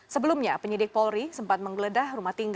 sebelumnya penyidik polri sempat menggeledah rumah tinggi